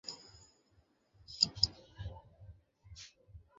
দারিদ্র্য ঘোচাতে গৃহিণী থেকে সবজির বীজের আদর্শ কারিগর হয়ে স্বাবলম্বী হয়েছেন তিনি।